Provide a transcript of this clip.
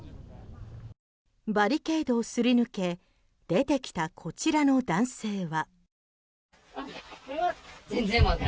バリケードをすり抜け出てきたこちらの男性は。